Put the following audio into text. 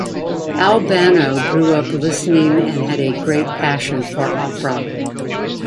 Al Bano grew up listening and had a great passion for opera.